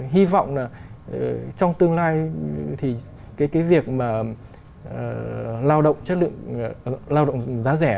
hy vọng là trong tương lai thì cái việc mà lao động chất lượng lao động giá rẻ